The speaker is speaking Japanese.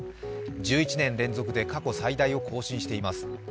１１年連続で過去最大を更新しています。